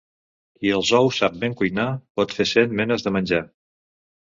Qui els ous sap ben cuinar pot fer cent menes de menjar.